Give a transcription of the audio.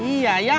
terima kasih pak